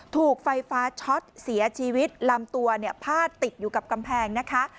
ถูกไฟฟ้าช็อตเสียชีวิตลำตัวเนี่ยพาดติดอยู่กับกำแพงนะคะ